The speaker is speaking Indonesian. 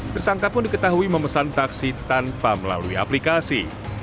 tersangka pun diketahui memesan taksi tanpa melalui aplikasi